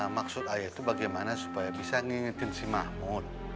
maksud ayah itu bagaimana supaya bisa ngingetin si mahmud